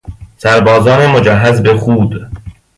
سربازان مجهز به خود